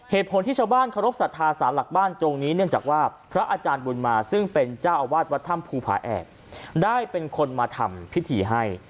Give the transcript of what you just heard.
เหตุผลที่ชาวบ้านเคารพสัทธาสารหลักบ้านตรงนี้เนื่องจากว่าพระอาจารย์บุญมาซึ่งเป็นเจ้าอาวาสวัดถ้ำภูผาแอกได้เป็นคนมาทำพิธีให้